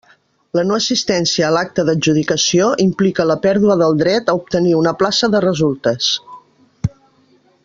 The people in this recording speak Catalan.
La no assistència a l'acte d'adjudicació implica la pèrdua del dret a obtenir una plaça de resultes.